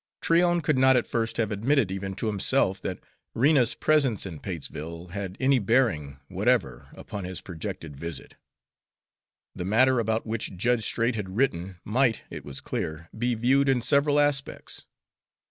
Tryon would not at first have admitted even to himself that Rena's presence in Patesville had any bearing whatever upon his projected visit. The matter about which Judge Straight had written might, it was clear, be viewed in several aspects.